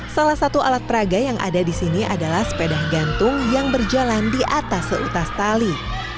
salah satu alat peraga yang ada di sini adalah sepeda gantung yang berjalan di atas seutas tali